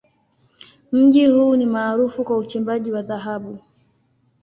Mji huu ni maarufu kwa uchimbaji wa dhahabu.